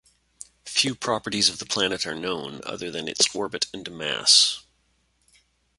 Few properties of the planet are known other than its orbit and mass.